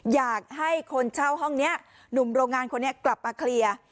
อยากให้คนเช่าห้องนี้หนุ่มโรงงานคนนี้กลับมาเคลียร์